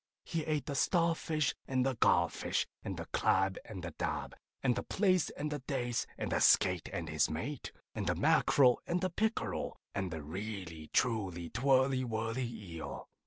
He ate the starfish and the garfish, and the crab and the dab, and the plaice and the dace, and the skate and his mate, and the mackereel and the pickereel, and the really truly twirly whirly eel.